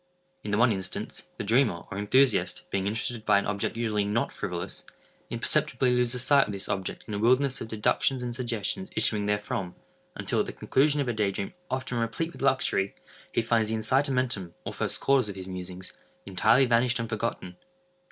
In the one instance, the dreamer, or enthusiast, being interested by an object usually not frivolous, imperceptibly loses sight of this object in a wilderness of deductions and suggestions issuing therefrom, until, at the conclusion of a day dream often replete with luxury, he finds the incitamentum, or first cause of his musings, entirely vanished and forgotten.